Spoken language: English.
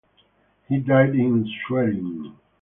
He died in Schwerin.